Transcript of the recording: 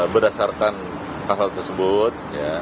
berdasarkan hal hal tersebut